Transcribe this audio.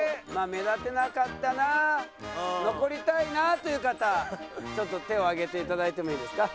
目立てなかったな残りたいなという方ちょっと手を挙げていただいてもいいですか？